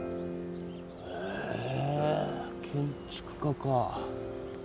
へえ建築家か。